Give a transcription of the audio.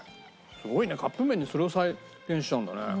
すごいねカップ麺でそれを再現しちゃうんだね。